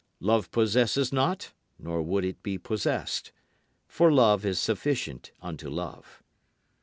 Love possesses not nor would it be possessed; For love is sufficient unto love.